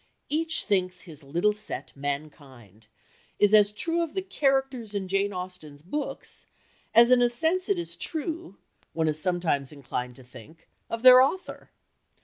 "Each thinks his little set mankind" is as true of the characters in Jane Austen's books as in a sense it is true, one is sometimes inclined to think, of their author.